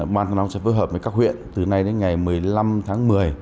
ban thăng long sẽ phối hợp với các huyện từ nay đến ngày một mươi năm tháng một mươi